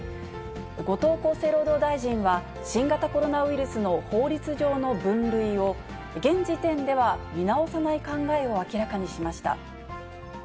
後藤厚生労働大臣は、新型コロナウイルスの法律上の分類を、現時点では見直さない考えを明らかにしました。